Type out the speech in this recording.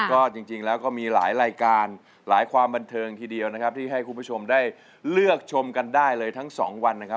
ก็จริงแล้วก็มีหลายรายการหลายความบันเทิงทีเดียวนะครับที่ให้คุณผู้ชมได้เลือกชมกันได้เลยทั้งสองวันนะครับ